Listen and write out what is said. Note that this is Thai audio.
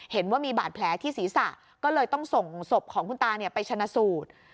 เห็นว่ามีบาดแผลที่ศีรษะก็เลยต้องส่งศพของคุณตาไปชนะสูตร